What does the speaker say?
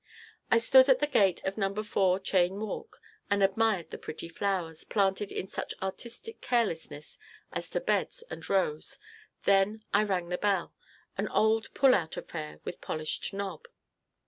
I stood at the gate of Number 4 Cheyne Walk and admired the pretty flowers, planted in such artistic carelessness as to beds and rows; then I rang the bell an old pull out affair with polished knob.